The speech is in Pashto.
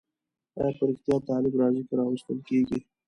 آیا په رښتیا طالب راځي که راوستل کېږي؟